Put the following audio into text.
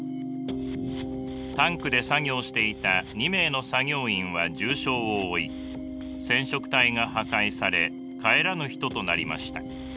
タンクで作業していた２名の作業員は重傷を負い染色体が破壊され帰らぬ人となりました。